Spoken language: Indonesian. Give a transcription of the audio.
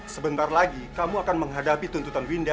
sebentar lagi kamu akan menghadapi tuntutan winda